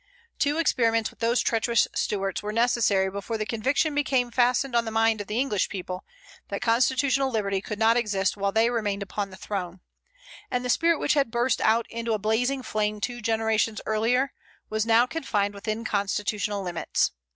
Two experiments with those treacherous Stuarts were necessary before the conviction became fastened on the mind of the English people that constitutional liberty could not exist while they remained upon the throne; and the spirit which had burst out into a blazing flame two generations earlier, was now confined within constitutional limits.